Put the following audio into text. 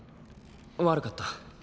悪かった。